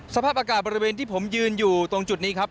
สภาพอากาศบริเวณที่ผมยืนอยู่ตรงจุดนี้ครับ